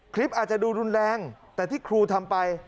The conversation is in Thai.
คลิปอาจจะดูรุนแรงแต่ที่ครูทำไป